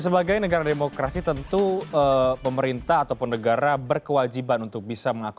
sebagai negara demokrasi tentu pemerintah ataupun negara berkewajiban untuk bisa mengakui